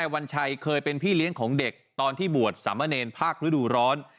วัญชัยเคยเป็นพี่เลี้ยงของเด็กตอนที่บวชสามเณรภาคฤดูร้อน